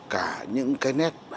cả những cái nét